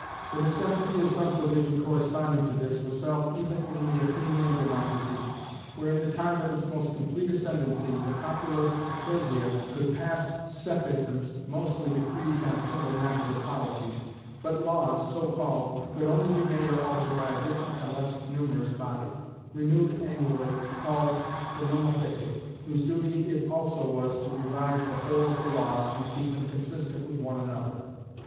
The necessity of some provision corresponding to this was felt even in the Athenian Democracy, where, in the time of its most complete ascendancy, the popular Ecclesia could pass psephisms (mostly decrees on single matters of policy), but laws, so called, could only be made or altered by a different and less numerous body, renewed annually, called the Nomothetæ, whose duty it also was to revise the whole of the laws, and keep them consistent with one another.